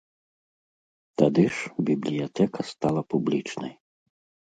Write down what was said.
Тады ж бібліятэка стала публічнай.